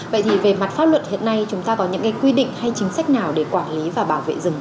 vậy thì về mặt pháp luật hiện nay chúng ta có những quy định hay chính sách nào để quản lý và bảo vệ rừng